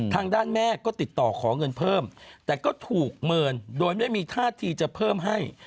ทางด้านแม่ก็ติดต่อขอเงินเพิ่มแต่ก็ถูกเมินโดยไม่มีท่าทีจะเพิ่มให้